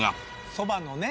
そばのね